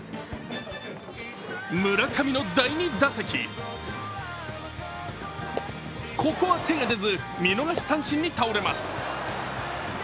村上の第２打席、ここは手が出ず見逃し三振に倒れます。